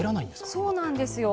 そうなんですよ